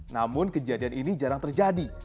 namun kejadian ini jarang terjadi